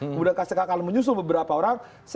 kemudian ksk akan menyusul beberapa orang